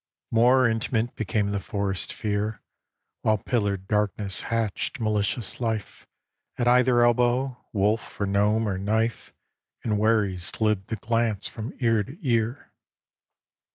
III More intimate became the forest fear While pillared darkness hatched malicious life At either elbow, wolf or gnome or knife And wary slid the glance from ear to ear.